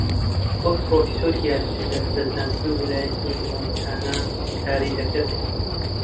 وەک پرۆفیسۆری یاریدەدەر لە زانکۆی ویلایەتی مۆنتانا کاری دەکرد